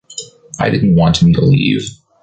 I didn’t want him to leave.